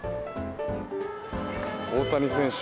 大谷選手